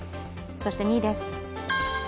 そして２位です。